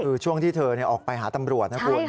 คือช่วงที่เธอออกไปหาตำรวจนะคุณ